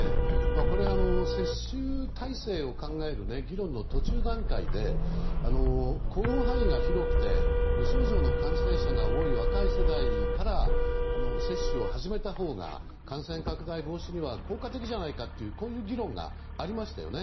これ、接種体制を考える議論の途中段階で行動範囲が広くて無症状の感染者が多い若い世代から接種を始めたほうが感染拡大防止には効果的じゃないかという議論がありましたよね。